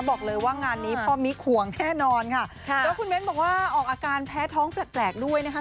บอกเลยว่างานนี้พ่อมิ๊กห่วงแน่นอนค่ะแล้วคุณเบ้นบอกว่าออกอาการแพ้ท้องแปลกแปลกด้วยนะคะ